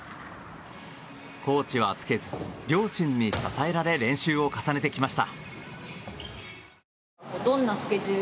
コーチはつけず両親に支えられ練習を重ねてきました。